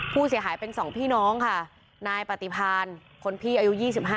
ผู้เสียหายเป็น๒พี่น้องค่ะนายปฏิพานคนพี่อายุ๒๕